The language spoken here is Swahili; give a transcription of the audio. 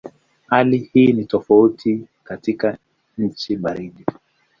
Hali hii ni tofauti katika nchi baridi.